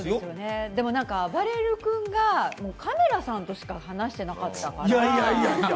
あばれる君が、カメラさんとしか話してなかったから。